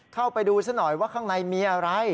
เข้าไปดูซะหน่อยว่าข้างในมีอะไร